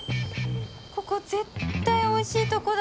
ここ絶対おいしいとこだ